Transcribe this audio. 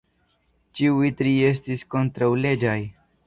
Ĉiuj tri estis kontraŭleĝaj.